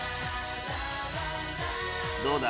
どうだ？